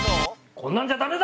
こんなんじゃダメだ！